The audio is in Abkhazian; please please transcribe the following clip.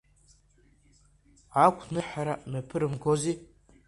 Ақәныҳәара мҩаԥырымгози.